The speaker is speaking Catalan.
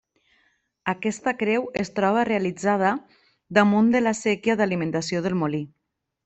Aquesta creu es troba realitzada damunt de la séquia d'alimentació del molí.